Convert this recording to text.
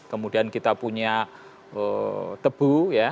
kemudian kita punya tebu